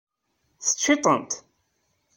Teččiḍ-tent?